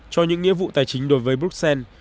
cho những nhiệm vụ tài chính đối với bruxelles